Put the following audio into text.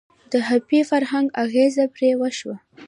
د هیپي فرهنګ اغیز پرې وشو.